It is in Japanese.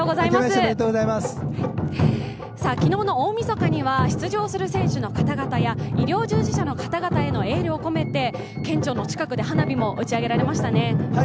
昨日の大みそかには出場する選手の方々や医療従事者の方々へのエールを込めて県庁の近くで花火も打ち上げられましたね？